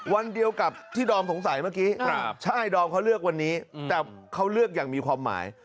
วันเดียวกับที่ดอมสงสัยเมื่อกี้ใช่ดอมเขาเลือกวันนี้แต่เขาเลือกอย่างมีความหมาย